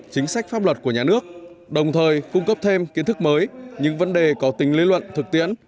chính sách pháp luật của nhà nước đồng thời cung cấp thêm kiến thức mới những vấn đề có tính lý luận thực tiễn